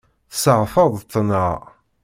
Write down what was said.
Tesseɣtaḍ-tt, naɣ?